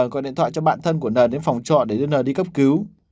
gọi điện thoại cho bạn thân của n đến phòng trọ để đưa n đi cấp cứu